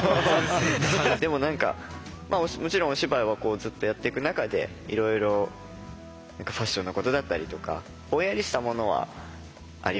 でも何かもちろんお芝居はずっとやっていく中でいろいろ何かファッションのことだったりとかぼんやりしたものはありますね。